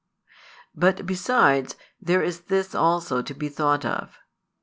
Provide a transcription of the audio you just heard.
But besides, there is this also to be thought of.